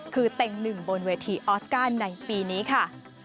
คือเต็งหนึ่งบนเวทีออสการ์ในปีนี้ค่ะ